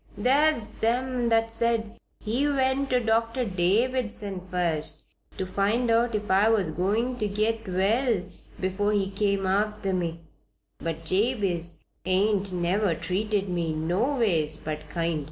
There's them that said he went to Doctor Davison first to find out if I was goin' to git well before he come arter me; but Jabez ain't never treated me noways but kind.